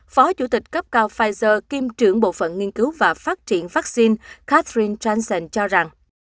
phó chủ tịch cấp cao pfizer kim trưởng bộ phận nghiên cứu và phát triển vaccine catherine johnson cho rằng